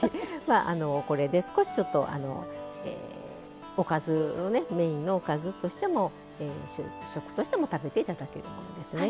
これで、少し、ちょっとメインのおかずとしても主食としても食べていただけるものですね。